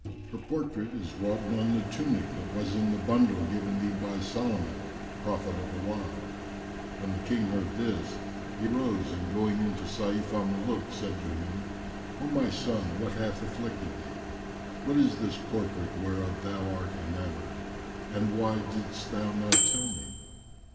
"Her portrait is wroughten on the tunic that was in the bundle given thee by Solomon, prophet of Allah!" When the King heard this, he rose, and going in to Sayf al Muluk, said to him, "O my son, what hath afflicted thee? What is this portrait whereof thou art enamoured? And why didst thou not tell me."